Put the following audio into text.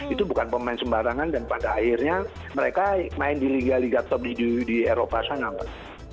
itu bukan pemain sembarangan dan pada akhirnya mereka main di liga liga top di eropa sana mbak